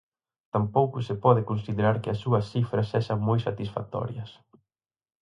Tampouco se pode considerar que as súas cifras sexan moi satisfactorias.